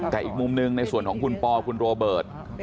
แต่อีกมุมหนึ่งในส่วนของคุณปอคุณโรเบิร์ต